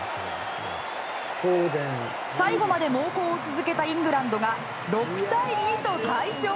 最後まで猛攻を続けたイングランドが６対２と大勝！